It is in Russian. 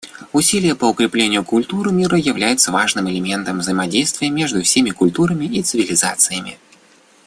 Усилия по укреплению культуры мира являются важным элементом взаимодействия между всеми культурами и цивилизациями.